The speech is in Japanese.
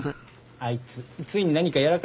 あいつついに何かやらかしたんですか？